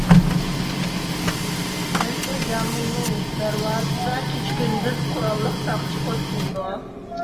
مەزكۇر يامۇلنىڭ دەرۋازىسىدا كېچە-كۈندۈز قوراللىق ساقچى پوست قىلىدۇ.